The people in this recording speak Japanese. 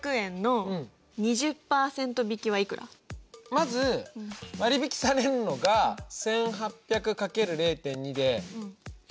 まず割引されるのが１８００×０．２でいくつかな。